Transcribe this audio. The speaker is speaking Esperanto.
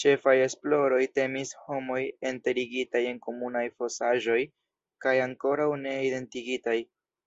Ĉefaj esploroj temis homoj enterigitaj en komunaj fosaĵoj, kaj ankoraŭ ne identigitaj.